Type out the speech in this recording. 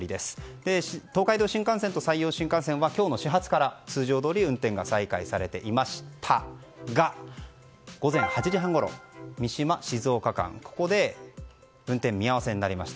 東海道新幹線と山陽新幹線は今日の始発から通常どおり運転が再開されていましたが午前８時半ごろ、三島静岡間ここで運転見合わせになりました。